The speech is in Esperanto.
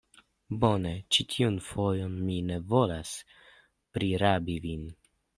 Bone, ĉi tiun fojon mi ne volas prirabi vin.